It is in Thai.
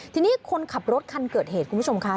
ทีนี้คนขับรถคันเกิดเหตุคุณผู้ชมค่ะ